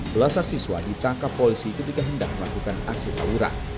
belasan siswa ditangkap polisi ketika hendak melakukan aksi tawuran